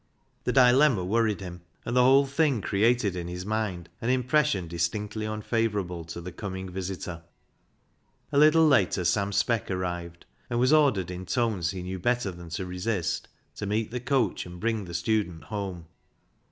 The dilemma worried him, and the whole thing created in his mind an impression distinctly unfavourable to the coming visitor. A little later, Sam Speck arrived, and was ordered, in tones he knew better than to resist, to meet the coach and bring the student home.